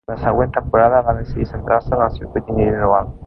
La següent temporada va decidir centrar-se en el circuit individual.